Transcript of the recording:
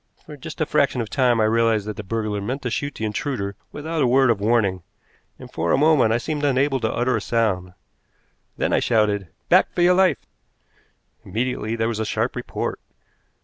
For just a fraction of time I realized that the burglar meant to shoot the intruder without a word of warning, and for a moment I seemed unable to utter a sound. Then I shouted: "Back for your life!" Immediately there was a sharp report.